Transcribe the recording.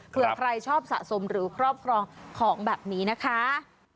เผื่อใครชอบสะสมหรือครอบครองของแบบนี้นะคะ